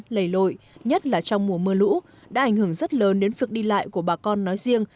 lầy lội nhất là trong mùa mưa lũ đã ảnh hưởng rất lớn đến việc đi lại của bà con nói riêng